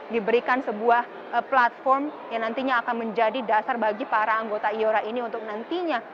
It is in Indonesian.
diberikan sebuah platform yang nantinya akan menjadi dasar bagi para anggota iora ini untuk nantinya